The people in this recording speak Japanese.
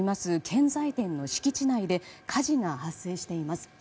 建材店の敷地内で火事が発生しています。